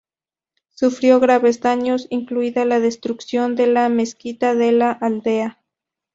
Sufrió graves daños, incluida la destrucción de la mezquita de la aldea.